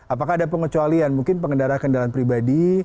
apakah ada pengecualian mungkin pengendara kendaraan pribadi